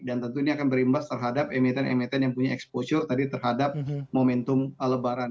dan tentu ini akan berimbas terhadap emiten emiten yang punya exposure tadi terhadap momentum lebaran